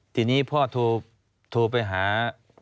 ทีนี้พ่อโทรไปหา